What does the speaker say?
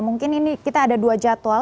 mungkin ini kita ada dua jadwal